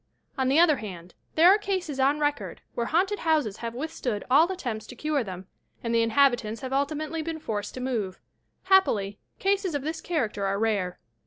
On the other hand, there are cases on record where haunted houses have withstood all attempts to cure them, and the inhabitants have ultimately been forced to move. Happily, cases of this character are rare.